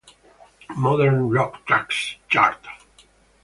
Modern Rock Tracks chart".